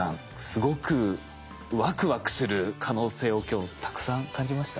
すごくワクワクする可能性を今日たくさん感じましたね。